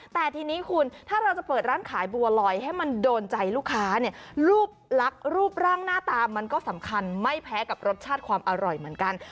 แต่ทีนี้คุณถ้าเราจะเปิดร้านขายบัวลอยให้มันโดนใจลูกค้าเนี่ยรูปลักษณ์รูปร่างหน้าตามันก็สำคัญไม่แพ้กับรสชาติความอร่อยเหมือนกัน